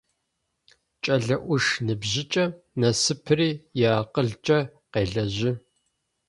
Кӏэлэ ӏуш ныбжьыкӏэм насыпыри иакъылкӏэ къелэжьы.